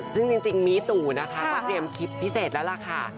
ซึ่งจริงมีตู่นะคะก็เตรียมคลิปพิเศษแล้วล่ะค่ะ